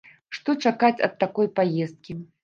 Што чакаць ад такой паездкі?